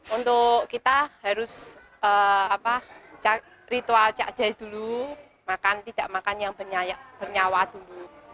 untuk kita harus ritual cak jahi dulu makan tidak makan yang bernyawa dulu